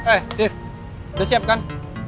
eh shift udah siap kan